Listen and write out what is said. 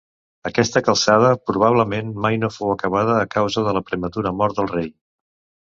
Aquesta calçada probablement mai no fou acabada a causa de la prematura mort del rei.